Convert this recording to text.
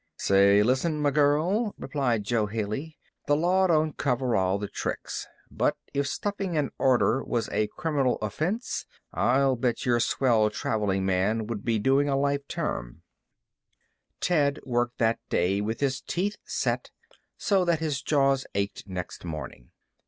"Say, listen, m' girl," replied Jo Haley. "The law don't cover all the tricks. But if stuffing an order was a criminal offense I'll bet your swell traveling man would be doing a life term." Ted worked that day with his teeth set so that his jaws ached next morning.